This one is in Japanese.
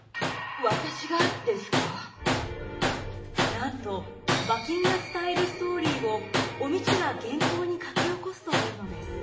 なんと馬琴が伝えるストーリーをお路が原稿に書き起こすというのです。